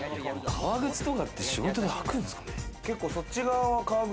革靴とかって仕事で履くんですかね？